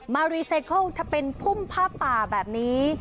มารีไซเคิลถ้าเป็นพุ่มผ้าป่าแบบนี้